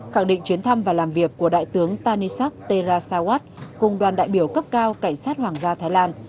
khẳng định chuyến thăm và làm việc của đại tướng tanisak terasawat cùng đoàn đại biểu cấp cao cảnh sát hoàng gia thái lan